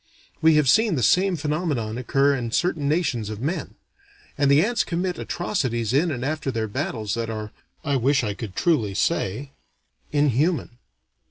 We have seen the same phenomenon occur in certain nations of men. And the ants commit atrocities in and after their battles that are I wish I could truly say inhuman.